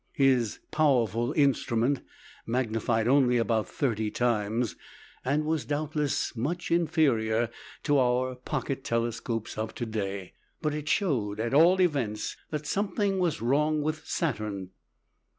His "powerful" instrument magnified only about thirty times, and was, doubtless, much inferior to our pocket telescopes of to day. But it showed, at all events, that something was wrong with Saturn.